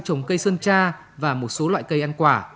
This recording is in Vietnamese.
trồng cây sơn tra và một số loại cây ăn quả